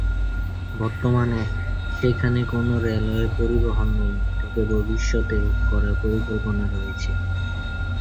বর্তমানে সেখানে কোন রেলওয়ে পরিবহন নেই, তবে ভবিষ্যতে করার পরিকল্পনা রয়েছে।